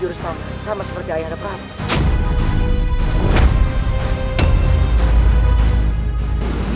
jurus pak mani sama seperti ayah dapran